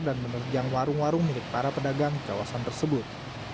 dan menerjang warung warung milik para pedagang kawasan tersebut